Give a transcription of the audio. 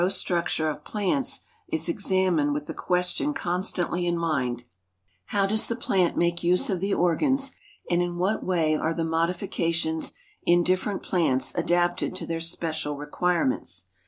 s structure of plants is ex amined with the question constantly in mind, " How <loes the plant make use of the organs, and in what way are the modifications in ditferent plants adapted to their special requirements?"